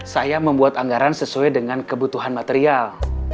saya membuat anggaran sesuai dengan kebutuhan material